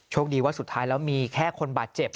ดีว่าสุดท้ายแล้วมีแค่คนบาดเจ็บ